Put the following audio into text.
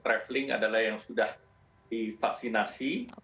traveling adalah yang sudah divaksinasi